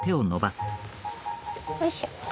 おいしょ。